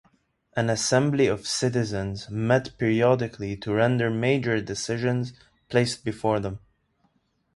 An assembly of citizens met periodically to render major decisions placed before them.